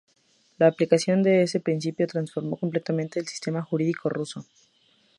La aplicación de ese principio transformó completamente el sistema jurídico ruso.